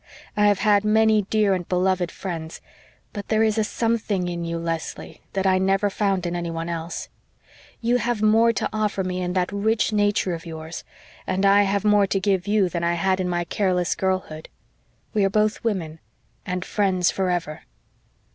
I have had many dear and beloved friends but there is a something in you, Leslie, that I never found in anyone else. You have more to offer me in that rich nature of yours, and I have more to give you than I had in my careless girlhood. We are both women and friends forever."